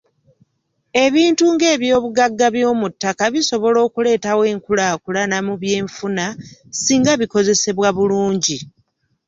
Ebintu nga eby'obugagga by'omuttaka bisobola okuleetawo enkulaakulana mu by'enfuna singa bikozesebwa bulungi.